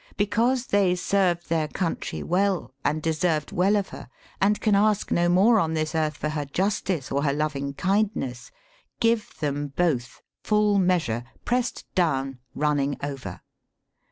Because they served their country well, and deserved well of her, and can ask, no more on this earth, for her justice or her loving kindness ; give them both, full measure, pressed down, running over.